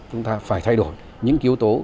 chúng ta phải thay đổi những kiếu tố